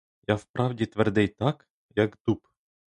Я в правді твердий так, як дуб.